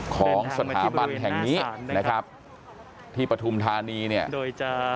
ของสถาบันแห่งนี้นะครับที่ปฐุมธานีเนี่ยโดยจะ